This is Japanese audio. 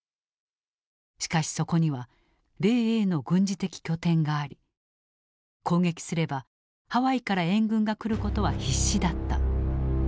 しかしそこには米英の軍事的拠点があり攻撃すればハワイから援軍が来ることは必至だった。